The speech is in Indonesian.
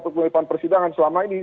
atau di depan persidangan selama ini